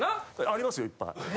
ありますよいっぱい。